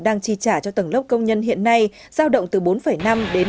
đang trì trả cho tầng lốc công nhân hiện nay giao động từ bốn năm triệu đồng